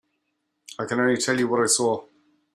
I can only tell you what I saw.